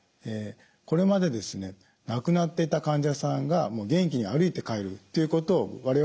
これまでですね亡くなっていた患者さんがもう元気に歩いて帰るということを我々もよく経験いたします。